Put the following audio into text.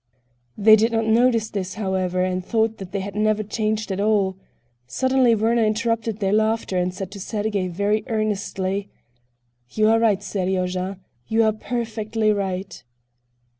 They did not notice this, however, and thought that they had never changed at all. Suddenly Werner interrupted their laughter and said to Sergey very earnestly: "You are right, Seryozha. You are perfectly right."